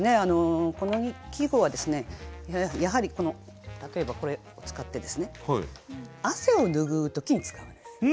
この季語はですねやはり例えばこれを使ってですね汗を拭う時に使うんです。